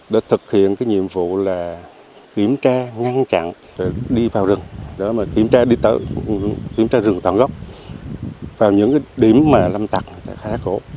để thực hiện nhiệm vụ kiểm tra ngăn chặn đi vào rừng kiểm tra rừng toàn gốc vào những điểm lâm tặc khá khổ